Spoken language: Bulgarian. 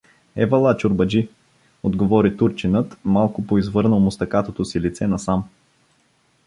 — Евалла, чорбаджи — отговори турчинът малко поизвърнал мустакатото си лице насам.